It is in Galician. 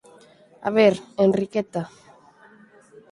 A ver, Enriqueta